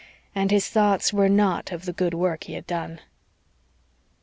And his thoughts were not of the good work he had done.